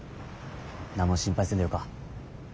何も心配せんでよか。